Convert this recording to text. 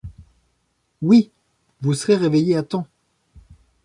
Oui!... vous serez réveillés à temps !